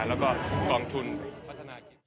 แล้วก็กองทุนพัฒนากิจ